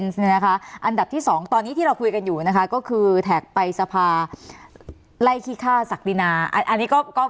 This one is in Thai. สนับสนุนโดยทีโพพิเศษถูกอนามัยสะอาดใสไร้คราบ